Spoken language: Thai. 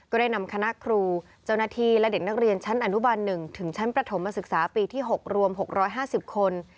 ได้นำคณะครูเจ้าหน้าที่และเด็กนักเรียนชั้นอนุบัน๑ถึงชั้นประถมศึกษาปีที่๖รวม๖๕๐คน